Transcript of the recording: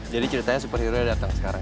jadi ceritanya superhero yang datang sekarang